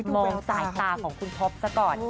มองสายตาของคุณท็อปซะก่อน